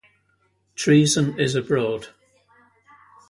Treason is abroad.